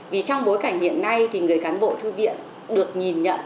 vì trong bối cảnh hiện nay thì người cán bộ thư viện được nhìn nhận